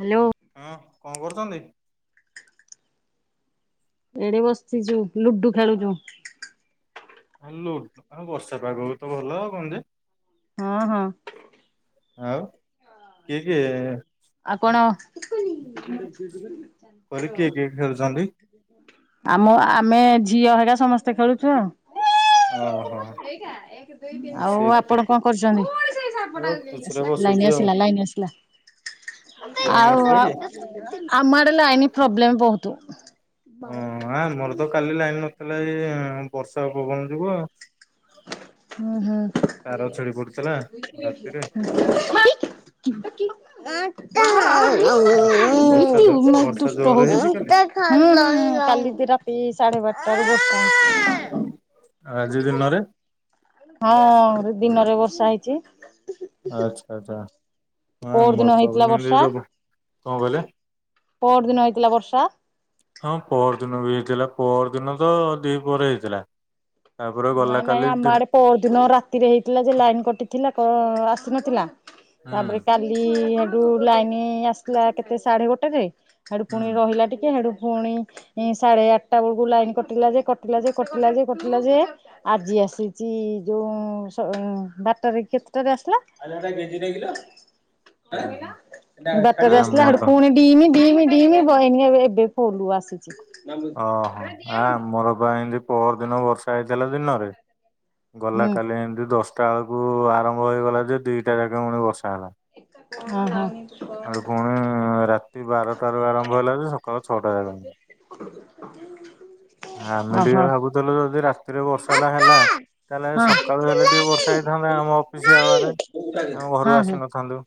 Hello ହଁ କଣ କରୁଛନ୍ତି ଏଡେ ବସିଛୁ ଲୁଡୁ ଖେଳୁଛୁ ଲୁଡୋ ଆ ବର୍ଷା ପାଗ ତ ଭଲ ଆ କଣ ଯେ ହଁ ହଁ ଆଉ କିଏ କିଏ ଆଉ କଣ କହିଲି କିଏ କିଏ ଖେଳୁଛନ୍ତି? ଆମ ଆମେ ଝିଅ ହେରିଆ ସମସ୍ତେ ଖେଳୁଛୁ ଆଉ ଓହୋ ଆଉ ଆପଣ ସେଇଥିପାଇଁ କଣ କରୁଛନ୍ତି ଆଉ ଖୁସିରେ ଲାଇନ ବସିଛି ଆସିଲା ଲଇନ ଆଉ ଲାଇନ ଆଉ ଆସିଲା କି? ଆମଆଡେ ଲାଇନ ପ୍ରୋବ୍ଲେମ୍ ବହୁତ ହଁ ମୋର ତ କାଲି ଲାଇନ୍ ନଥିଲା ଏଇ ବର୍ଷା ପବନ ଯୋଗୁଁ ତାର ଛାଡି ପଡୁଥିଲା ରାତିରେ ବର୍ଷା ଜୋ ବର୍ଷା ଦୁଷ୍ଟ ଜୋରରେ ହେଉଛୁ ହେଇଛି ହଁ କାଲି କାଲି ରାତି ସାଢେ ବାରଟାରୁ ବସ ଆଜି ଦିନରେ ହଁ ଦିନରେ ବର୍ଷା ହେଇଛି ଆଚ୍ଛା ଆଚ୍ଛା ପଅର ହ ଦିନ ହେଇଥିଲା [unintelligible] ବର୍ଷା କଣ କହିଲେ ପର ଦିନ ହେଇଥିଲା ବର୍ଷା ହଁ ପର ଦିନ ବି ହେଇଥିଲା ପର ଦିନ ତ ଦି ପରେ ହେଇଥିଲା ତାପରେ ଗଲା କାଲି ପ ଦିନ ରାତିରେ ହେଇଥିଲା ଯେ ଲାଇନ କଟିଥିଲା କ ଆସିନଥିଲା ତାପରେ ହୁଁ କାଲି ଠୁ ଲାଇନ ଆସିଲା କେତେ ସାଢେ ଗୋଟେ ଯ ହଡୁ ପୁଣି ହୁଁ ରହିଲା ଟିକେ ହଡୁ ପୁଣି ସାଢେ ଆଠଟା ବେଳକୁ ଲାଇନ କଟିଲା ଯେ କଟିଲା ଯେ କଟିଲା ଯେ କଟିଲା ଯେ ଆଜି ଆସିଛି ଯୋଉ ବାରଟାରେ କେତେଟାରେ ଆସିଲା ହୁଁ ହୁଁ। ଆସିଲା ଆମର ପୁଣି ଡିମି ଡିମି ଡିମି ବହିନି ଏ ଏବେ ଫୋଲୁ ଆସିଛି ଓହୋ ଆ ଆମର ପାଇଁ ଏମତି ପରର ଦିନ ବର୍ଷା ହେଇଥିଲା ଦିନରେ ଗଲା ହୁଁ କାଲି ଏମିତି ଦଶଟା ବେଳକୁ ଆରମ୍ଭ ହେଇଗଲା ଯେ ଦିଟା ଯାକା ପୁଣି ବସା ହେଲା ହଁ ହଁ ଆଡ ପୁଣି ରାତି ବାରଟାରୁ ଆରମ୍ଭ ହେଲା ଯେ ସକାଳ ଛଅଟା ଯ [inaudible] ଆମେ ଟିକେ ଓହୋ। ହଁ। ଭାବୁଥିଲୁ ଯଦି ରାତିରେ ବର୍ଷା ଟା ହେଲା ତାହେଲେ ସକାଳୁ ହେଲେ ଟିକେ ବର୍ଷା ଛ ହେଇଥାନ୍ତେ ଆମ ଅଫିସ ଆୱାରେ ଆମେ ହଁ ଘରୁ ହଁ ଆସିନଥାନ୍ତୁ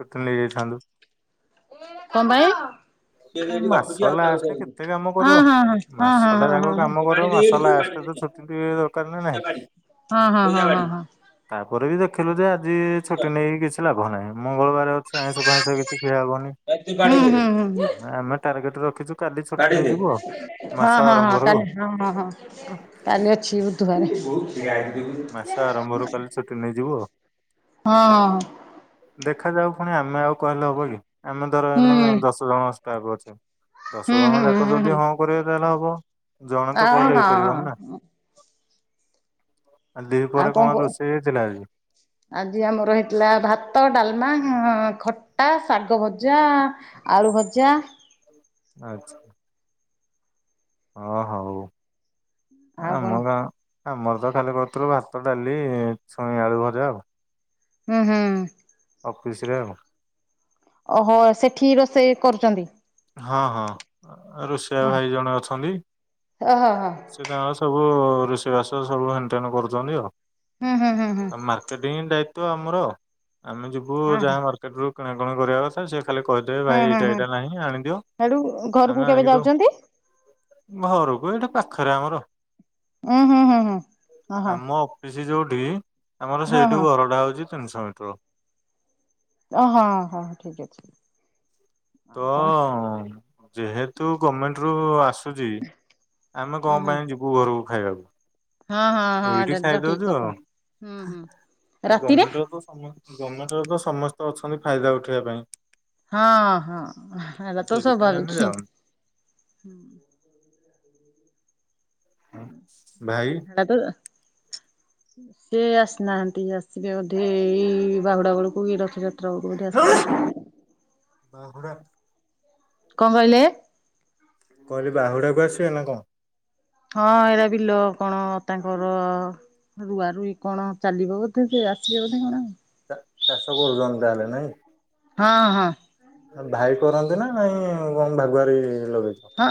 ଛୁଟି ନେଇଯାଇଥାନ୍ତୁ କଣ ପାଇଁଁ ମାସ ହଁ ହଁ ହଁ ହଁ ଖଟେ ଯା କାମ କରିବୁ ମାସ ଲାଷ୍ଟ ତ ଛୁଟି ଟ ଦରକାର ନା ନାହିଁ ହଁ ହଁ ହଁ ହଁ ହଁ ତାପରେ ବି ଦେଖିଲୁ ଯେ ଆଜି ଛୁଟି ନେଇକି କିଛି ଲାଭ ନାହିଁ ମଙ୍ଗଳବାର ଅଛି ଆଇଁଷ ଖାାଇଁ କିଛି ଖିଆ ହବନି କାଢିଦେ ଆମେ ଟାର୍ଗେଟ ରଖିଛୁ କାଲି ଛୁଟି କାଢିଦେ। ନେଇଯିବୁ ଆଉ ହଁ ମାସ ହଁ ହଁ ଆରମ୍ଭରୁ। କାଲି ହଁ ହଁ ହଁ କାଲି ଅଛି ବୁଧବାରେ। ହୁଁ ମାସ ଆରମ୍ଭରୁ କାଲି ଛୁଟି ହଁ। ଦେଖ ଯାଉ ପୁଣି ଆମେ ଆଉ କହିଲେ ହବ କି ଆମେ ଧର ହୁଁ ଏଇନେ ଦଶ ଜଣ ଷ୍ଟାଫ ଅଛେ। ଦଶ ହୁଁ ଜଣ ଯାକ ହୁଁ ହୁଁ ଯଦି ହଁ କରିବେ ତାହେଲେ ହବ ଜଣେ ଆ ତ କହିଲେ ହଁ ହେଇପାରିବନି ନା। ଆଉ ଦି ପହରେ କଣ ରୋଷେଇ ହେଇଥିଲା ଆଜି? ଆଜି ଆମର ହେଇଥିଲା ଭାତ ଡାଲମା ଖ୍ ଆ‌ ଶାଗ ଭଜା ଆଳୁ ଭଜା। ଆଚ୍ଛା। ହଁ ହଉ ଆଉ କଣ ଆମ ଗାଁ। ଆମର ତ ଖାଲି କରୁଥୁଲୁ ଭାତ, ଡାଲି, ଛୁଇଁ ଆଳୁ ଭଜା ଆଉ। ଉଁ ହୁଁ। ଅଫିସରେ ଆଉ? ଓହୋ ସେଠି ରୋଷେଇ କରୁଛନ୍ତି। ହଁ-ହଁ ରୋଷେଇଆ ଭାଇ ଜଣେ ଅଛନ୍ତି। ଓହୋ ହୋ ସେ ତାଙ୍କ ସବୁ ରୋଷେଇବାସ ସବୁ ହେଣ୍ଟେନ କରୁଛନ୍ତି ଆଉ, ହୁଁ ହୁଁ ହୁଁ ହୁଁ ଆଉ ମାର୍ ମାର୍କେଟିଂ ଦାୟିତ୍ୱ ଆମର। ଆମେ ଯିବୁ ହଁ ହଁ ଯାହା ମାର୍କେଟରୁ କିଣାକିଣି କରିବା କଥା ସେଏ ଖାଲି କହିଦେବେ ଭାଇ ଏଇଟା ଏଇଟା ନାହିଁ ଆଣି ହେଟୁ ଘରୁକୁ କେବେ ଯାଉଚନ୍ତି? ଘରୁକୁ ଏଇଠି ପାଖରେ ଆମର। ଉୁଁ ହୁଁ ହୁଁ ହୁଁ। ଓହୋ। ପିସି ଯୋଉଠି, ଆମର ସେଇଠୁ ହଁ ଘରଟା ହଉଛି ତିନିଶହ ମିଟର। ଓ ହଁ ହଁ ଠିକ୍ ଅଛି। ତ କଣ ଯେହେତୁ ଗମେଣ୍ଟରୁ ଆସୁଛି ଆମେ ଉଁ କଣ ହୁଁ ପାଇଁ ଯିବୁ ଘରୁକୁ ଖାଇବାକୁ। ହଁ ହଁ। ହଁ ଏଇଠି ଏଟା ତ ଠିକ ଖାଇଦଉଛୁ କଥା ଆଉ। ହୁଁ ହୁଁ। ଆଉ ରାତିରେ ଗର୍ମେଣ୍ଟର ତ ସମସ୍ତେ। ଗର୍ମେଣ୍ଟର ତ ସମସ୍ତେ ଅଛନ୍ତି ଫାଇଦା ଉଠେଇବା ପାଇଁ। ହଁ ହଁ ହେଇଟା ତ ସେଇଥିପାଇଁ ଆମେ ସ୍ଵାଭାବିକି। ଯାଉନୁ। ଭାଇ। [unintelligible] ସେ ଆସିନାହାନ୍ତି ଆସିବେ ବଧେ, ଏଇ ବାହୁଡ଼ା ବେଳକୁ ଏ ରଥଯାତ୍ [unintelligible] ବାହୁଡ଼ା। କଣ କହିଲେ? କହିଲି ବାହୁଡ଼ାକୁ ଆସିବେ ନା କଣ? ହଁ ଏଇରା ବିଲ କଣ ତାଙ୍କର। ରୁଆ ରୁଇ କଣ ଚାଲିବ ବୋଧେ ସେ ଆସିବେ ବୋଧେ କଣ ଆଉ। ଚା ଚାଷ କରୁଚନ୍ତି ତହାଲେ ନାଇଁ? ହଁ ହଁ। ତମ ଭାଇ କରନ୍ତି ନା ନାଇଁ କଣ ଭାଗୁଆରୀ ଲଗେଇଛ? ହଁ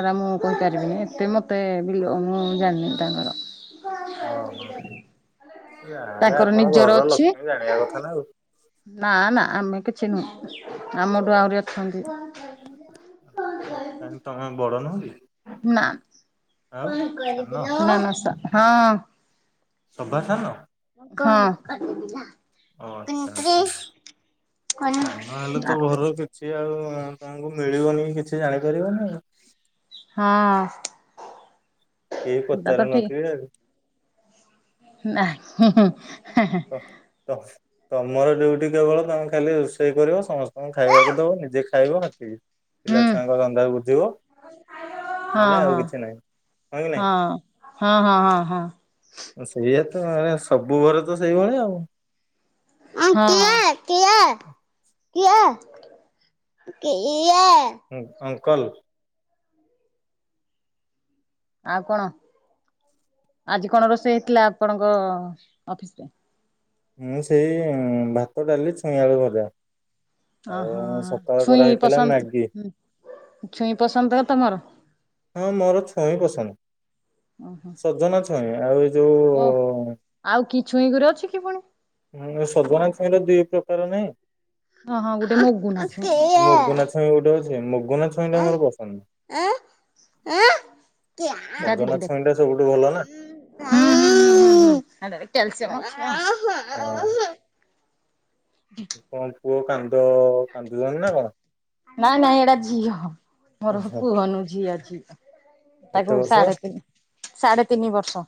ଏରା ମୁଁ କହି ପାରିବିନି, ଏତେ ମୋତେ ବିଲୋ ମୁଁ ଜାଣିନି ତାଙ୍କର। ଓହୋ, ଜାହେଲେ ତାଙ୍କର ଆପଣଙ୍କ ନିଜର ଘରର ଅଛି। ଲକ୍ଷ୍ମୀ ଜାଣିବା କଥା ନା ଆଉ। ନା ନା ଆମେ କିଛି ନୁହଁ, ଆମଠୁ ଆଉ। ଆହୁରି ଅଛନ୍ତି। କାହିଁ ତମେ ବଡ଼ ନୁହଁ କି? ନାଁ ଆଉ ସାନ [unintelligible] ନା ନା ସା ହଁ। ସଭା ସାନ? ହଁ। ଓ ଆଚ୍ଛା ତ ଠିକ ଆଚ୍ଛା, ସାନ ହେଲେ ତ ଘରର କି ସିଏ ଆଉ ତୁମକୁ ମିଳିବନି କିଛି ଜାଣି ପାରିବନି। ହଁ। କେହି ପଚାରୁ ନଥିବେ ଆଉ। ନା ହୁଁ ହୁଁ ହା ହା। [unintelligible] ତମର ଡିଉଟି କେବଳ ତମେ ଖାଲି ରୋଷେଇ କରିବ ସମସ୍ତଙ୍କୁ ଖାଇବାକୁ ଦବ ନିଜେ ଖାଇବ ହେତିକି। ପିଲା ହୁଁ ଛୁଆଙ୍କ ଧନ୍ଦା ବୁଝିବ ହଁ ନହେଲେ ହଁ ଆଉ କିଛି ନାହିଁ ହଁ କି ନାଇଁ। ହଁ ହଁ ହଁ ହଁ ହଁ। ସେଇଆତ ସବୁ ଘରେତ ସେଇଭଳିଆ ଆଉ। ହଁ କିଏ କିଏ କିଏ କିଏ କିଇଏ। ହୁଁ ଅଙ୍କଲ। ଆଉ କଣ ଆଜି କଣ ରୋଷେଇ ହେଇଥିଲା ଆପଣଙ୍କ ଅଫିସିରେ? ମୁଁ ସେଇ ଭାତ ଡ଼ାଲି ଛୁଇଁଆଳୁ ଭଜା। ଅଁ ହଁ ଆଉ ସକାଳେ ଛୁଇଁ କରାହେଇଥିଲା ପସନ୍ଦ ମ୍ୟାଗି ହୁଁ। ଛୁଇଁ ପସନ୍ଦର ତମର। ହଁ ମୋର ଛୁଇଁ ପସନ୍ଦ ଓହୋ ସଜନା ଛୁଇଁ ଆଉଏଇ ଯୋଉ ଆଉକି ଛୁଇଁ ଗୋରେ ଅଛିକି ଫୁଣି। ହୁଁ ସଜନା ଛୁଇଁର ଦିଇ ପ୍ରକାର ନାହିଁ। ହଁ ହଁ ଗୋଟେ ମୁଗୁନା ଛୁଇଁ। ମଗୁନା ଛୁଇଁ ଗୋଟେ ଅଛି ମଗୁନା ଛୁଇଁଟା ମୋର ପସନ୍ଦ ନୁହେଁ। ଆ ଆ କିଏ ଯା ସଜନା ଛୁଇଁ ଟା ଦିଦିଡା ସବୁଠୁ ଭଲ ହୁଁ ନା ହୁଁ ହୁଁ ହୁଁ ହେଟାରେ କ୍ୟାଲସିଅମ ଅଛିନା। ହଁ। [inaudible] କଣ ପୁଅ କାନ୍ଦ କାନ୍ଦୁଛନ୍ତି ନା କଣ ନାଇ ନାଇଁ ଏଇଟା ଝିଅ ମୋର ପୁଅ ନୁହେ ଝିଅ ଝିଅ। କେତେ ତାକୁ ବର୍ଷ? ସାଢେ ତିନି ସାଢେ ତିନି ବର୍ଷ।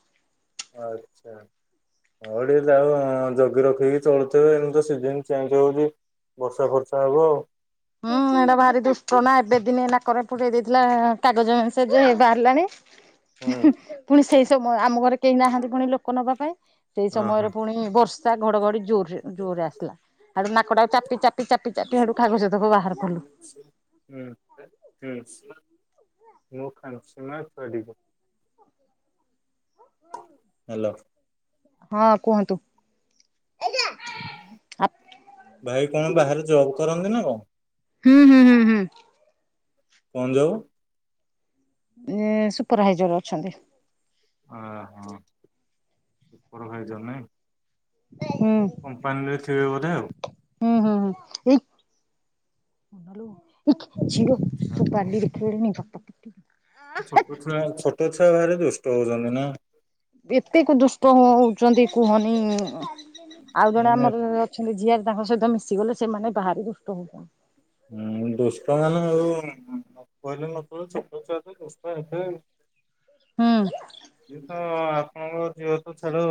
ଆଚ୍ଛା। ହଁ ଟିକେ ତାକୁ ଜଗି ରଖିକି ଚଳୁଥିବେ ଏମତି ସିଜନ୍ ଚେଞ୍ଜ ହଉଚି। ବର୍ଷା ଫର୍ଷା ହେବ। ହୁଁ ଏଇଟା ଭାରି ଦୁଷ୍ଟନା ଏବେ ଦିନି ନାକରେ ଫୁରେଇ ଦେଇଥିଲା କାଗଜ ସେଯେ ବାହାରିଲାନି। ହୁଁ ପୁଣି ସେଇ ସମୋ ଆମ ଘରେ କେହି ନାହାନ୍ତି ପୁଣି ଲୋକ ନବା ପାଇଁ। ସେଇ ହଁ ସମୟରେ ହଁ। ପୁଣି ବର୍ଷା ଘଡ଼ଘଡ଼ି ଜୋରେ ଜୋରରେ ଆସିଲା ତାପରେ ନାକଟାକୁ ଚାପି ଚାପି ଚାପି ଚାପି ହେଟୁ କାଗଜ ହେତକ ବାହରକଲୁ। [unintelligible] ହାଲୋ। ହଁ କୁହନ୍ତୁ। ଭାଇ କଣ ବାହାରେ ଜବ୍ କରନ୍ତିନା କଣ? ହୁଁ ହୁଁ ହୁଁ। କଣ ଜବ୍? ଏ ସୁପରଭାଇଜର ଅଛନ୍ତି। ଓହୋ ସୁପରଭାଇଜର ନାଇଁ। ହୁଁ କମ୍ପାନୀରେ ଥିବ ବୋଧେ ଆଉ। ହୁଁ ହୁଁ ହୁଁ ଏଇ ଏକ ଝିଅ ଆଚ୍ଛା ତୁ ହଉ ବାଲିରେ ଖେଳନି ବାପା ପାଟିକରିବେ [unintelligible] ପୁରା ଛୋଟ ଛୁଆ ଘରେ ଦୁଷ୍ଟ ହଉଚନ୍ତିନା। ଏତେକୁ ଦୁଷ୍ଟ ହଉଚନ୍ତି କୁହନି ଆଉ ଜଣେ ମାନେ ଆମର ଅଛନ୍ତି ଯିଆରି ତାଙ୍କ ସହିତ ମିଶିଗଲେ ସେମାନେ ଭାରି ଦୁଷ୍ଟ ହଉଚନ୍ତି। ହୁଁ ଦୁଷ୍ଟ ହେନେ ଆଉ କହିଲେ [unintelligible] ଛୋଟ ଛୁଆତ ଦୁଷ୍ଟ ହେବେ। ହୁଁ। ସିଏତ ଆପଣଙ୍କ ଝିଅତ ଛାଡ଼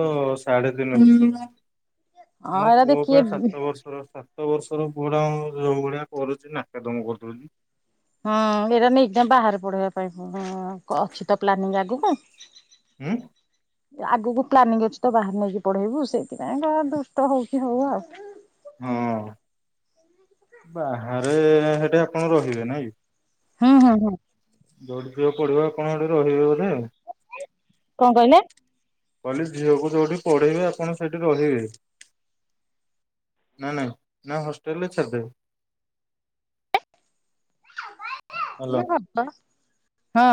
ସାଢେ ତିନି ବର୍ଷ ହଁ ମୋ ଏରା ଯେ ପୁଅ କିଏ ପ୍ରାୟ ସାତ ବର୍ଷର ସାତ ବର୍ଷର ପୁଅ ଟା ଯୋଉ ଭଳିଆ କରୁଛି ନାକେଦମ କରିଦଉଚି। ହୁଁ ଏଇଟା ନେଇ ବାହାରେ ପଢେଇବା ପାଇଁ ଅଛି ତ ପ୍ଲାନିଂ ଆଗକୁ। ହଁ। ଆଗକୁ ପ୍ଲାନିଂ ଅଛି ତ ବାହାରାରେ ନେଇକି ପଢେଇବୁ ସେଇଥିପାଇଁ କା ଦୁଷ୍ଟ ହଉଛି ହଉ ଆଉ। ହଁ ବାହାରେ ସେଠି ଆପଣ ରହିବେ ନାଇଁ ହୁଁ ହୁଁ ହୁଁ। ଜଉଠି ସିଏ ପଢିବ ଆପଣ ସେଠି ରହିବେ ବୋଧେ? କଣ କହିଲେ? କହିଲି ଝିଅକୁ ଯୋଉଠି ପଢେଇବେ ଆପଣ ସେଇଠି ରହିବେ? ନା ନାଇଁ ନା ହଷ୍ଟେଲ୍ ରେ ଛାଡ଼ିଦେବେ? ମୋବାଇଲ ଦେ ହାଲୋ ଇଏ ବାବା, ହଁ।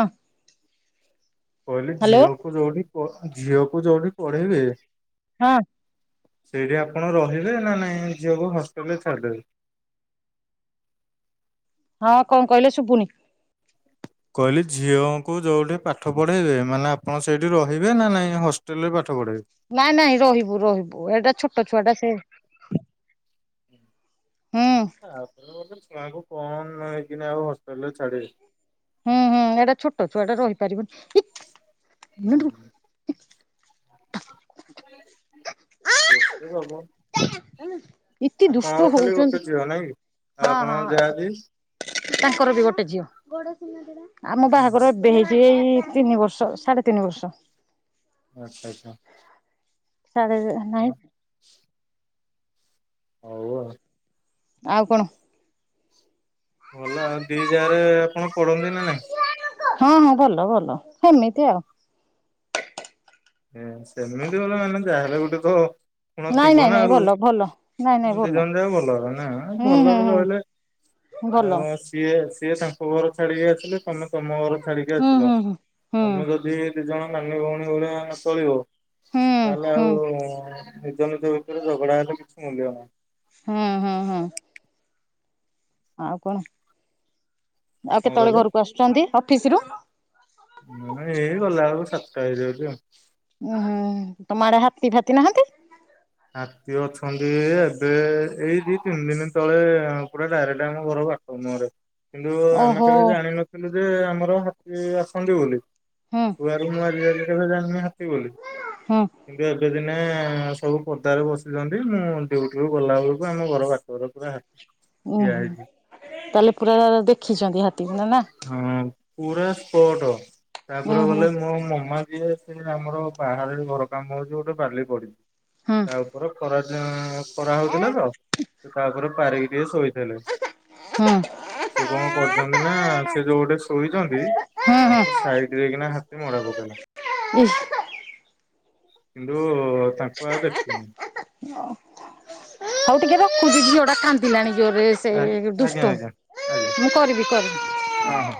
କହିଲି ହ୍ୟାଲୋ ଝିଅକୁ ଜୋଉଠି ପ‌ ଝିଅକୁ ଯୋଉଠି ପଢେଇବେ ହଁ। ସେଇଠି ଆପଣ ରହିବେ ନା ନାଇଁ ଝିଅକୁ ହଷ୍ଟେଲ୍ ରେ ଛାଡ଼ିଦେବେ। ହଁ କଣ କହିଲେ ଶୁଭୁନି? କହିଲି ଝିଅଙ୍କୁ ଯୋଉଠି ପାଠ ପଢ଼େଇବେ ମାନେ ଆପଣ ସେଇଠି ରହିବେ ନା ନାଇଁ ହଷ୍ଟେଲ୍ ରେ ପାଠ ପଢ଼ାଇବେ। ନାଇଁ ନାଇଁ ରହିବୁ ରହିବୁ ଏଇଟା ଛୋଟ ଛୁଆ ଟା ସେ‌ ତାପରେ ଗୋଟେ ଛୁଆଙ୍କୁ କଣ ନେଇକିନି ଆଉ ହଷ୍ଟେଲରେ ଛାଡ଼ିବି। ହୁଁ ହୁଁ ଏଇଟା ଛୋଟ ଛୁଆଟା ରହିପାରିବନି। [unintelligible] ଏତେ ଦୁଷ୍ଟ ଆପଣଙ୍କର ଖାଲି ହଉଛନ୍ତି ଗୋଟେ ଝିଅ ନାଇଁକି? ହଁ ହଁ ତାଙ୍କର ବି ଗୋଟେ ଝିଅ। ଆମ ବାହାଘର ଏବେ ହେଇଛି ଏଇ ତିନି ବର୍ଷ ସାଢେ ତିନି ବର୍ଷ। ଆଚ୍ଛା ଆଚ୍ଛା। ସାଢେ଼ ନାଇ ହଉ ଆଉ। ଆଉ କଣ? ଭଲ ଆଉ ଦି ଜାରେ ଆପଣ ପଡନ୍ତି ନା ନାଇଁ? ହଁ ହଁ ଭଲ ଭଲ ସେମିତି ଆଉ। ଏ ସେମିତି କଲେ ମାନେ ଯାହା ହେଲେ ଗୋଟେତ କଣ ନାଇଁ ଥିବ ନାଇଁ ନା ନାଇଁ ଆଉ ଭଲ ଭଲ ନାଇଁ ନାଇଁ ଦି ଭଲ। ଜଣ ଯାହା ଭଲର ନା ହୁଁ ହୁଁ ଭଲରେ ହୁଁ ରହିଲେ। ଭଲ [unintelligible] ସିଏ ସିଏ ତାଙ୍କ ଘର ଛାଡିକି ଆସିଲେ ତମେ ତମ ଘର ଛାଡିକି ହୁଁ ଆସିଲ ହୁଁ ହୁଁ ହୁଁ ତମେ ଯଦି ଦି ଜଣ ନାନୀ ଭଉଣୀ ଭଳିଆ ଚଳିବ ହୁଁ ତାହେଲେ ହୁଁ। ଆଉ ନିଜ ନିଜ ଭିତରେ ଝଗଡା ହେଲେ କିଛି ମୂଲ୍ୟ ନାହିଁ। ହଁ ହଁ ହଁ। ଆଉ କଣ ଆଉ କଣ କେତେବେଳେ କହିଲେ? ଘରକୁ ଆସୁଛନ୍ତି ଅଫିସ ରୁ। ହଁ ଏଇ ଗଲା ବେଳକୁ ସାତଟା ହେଇଯାଉଚି ଆଉ। ଓ ହୋ ତମ ଆଡେ ହାତୀ ଭାତି ନାହାନ୍ତି? ହାତୀ ଅଛନ୍ତି ଏବେ ଏଇ ଦି ତିନି ଦିନ ତଳେ ପୁରା ଡାଇରେକ୍ଟ ଆମ ଘର ବା ନରେ କିନ୍ତୁ ଆମେ ଓହୋ କେବେ ଜାଣିିନଥିଲୁ ଯେ ଆମର ହାତୀ ଆସନ୍ତି ବୋଲି। ହୁଁ ଛୁଆରୁ ମୁଁ ଆଜିକାଲି କେବେ ଜାଣିନି ହାତୀ ବୋଲି ହୁଁ। କିନ୍ତୁ ଏବେ ଦିନେ ସବୁ ପଦାରେ ବସିଛନ୍ତି ମୁଁ ଡ୍ୟୁଟିରୁ ଗଲାବେଳକୁ ଆମ ଘର ବାଟରେ ପୁରା ହାତୀ। ଠିଆ ଓଃ ହେଇଛି ତାହେଲେ ପୁରା ଦେଖିଛନ୍ତି ହାତୀକୁ ନା ନା। ହଁ ପୁରା ସ୍ପଟ୍ ଉଁ ତାପରେ ହୁଁ ଗଲେ ମୋ ମାମା ଯିଏ ସେ ଆମର ବାହାରେ ଘର କାମ ହଉଛି ଗୋଟେ ବାଲି ପଡିିଚି। ହୁଁ। ତା ଉପର ଖରା [unintelligible] ଖରା ହଉଥିଲା ତ। ତାପରେ ପାରିକି ଟିକେ ଶୋଇଥିଲେ। ହୁଁ। ସେ କଣ କରିଛନ୍ତି ନା ସେ ଯୋଉ ଗୋଟେ ଶୋଇଛନ୍ତି ହୁଁ ହୁଁ ତାଙ୍କ ସାଇଡରେ କିନା ହାତୀ ମଡା ପକେଇଲା। [unintelligible] କିନ୍ତୁ ତାଙ୍କୁ ଆଉ ଦେଖିନି। ହୋଉ ଟିକେ ରଖୁଚି ଝିଅ ଟା କାନ୍ ନ୍ଦିଲାନି ଜୋରେ ସେ ଆଜ୍ଞା ଦୁଷ୍ଟ ଆଜ୍ଞା ଆଜ୍ଞା ମୁଁ କରିବି କରିବି ହଁ ହଁ।